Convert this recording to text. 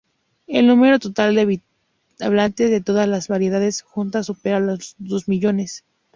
El número total de hablantes de todas las variedades juntas supera los dos millones.